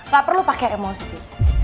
gak perlu pakai emosi